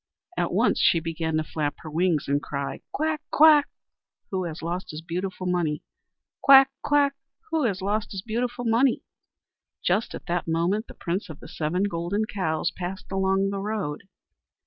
At once she began to flap her wings and cry: "Quack! quack! Who has lost his beautiful money? Quack! quack! Who has lost his beautiful money?" Just at that moment the Prince of the Seven Golden Cows passed along the road.